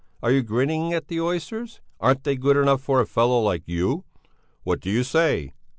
Are you grinning at the oysters? Aren't they good enough for a fellow like you? What do you say?